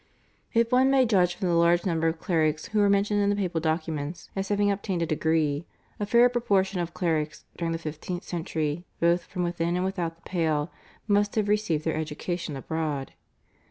If one may judge from the large number of clerics who are mentioned in the papal documents as having obtained a degree, a fair proportion of clerics during the fifteenth century both from within and without the Pale must have received their education abroad.